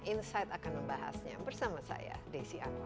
insight akan membahasnya bersama saya desi anwar